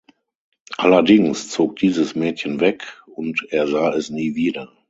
Allerdings zog dieses Mädchen weg und er sah es nie wieder.